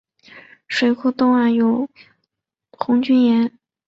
水库东岸有红军岩。